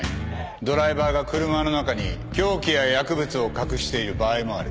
ドライバーが車の中に凶器や薬物を隠している場合もある。